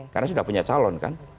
karena sudah punya calon kan